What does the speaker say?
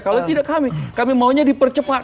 kalau tidak kami kami maunya dipercepat